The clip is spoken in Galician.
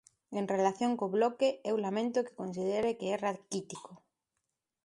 En relación co Bloque, eu lamento que considere que é raquítico.